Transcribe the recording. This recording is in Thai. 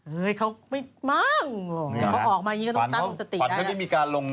เฮ้ยเขาไม่มั่ง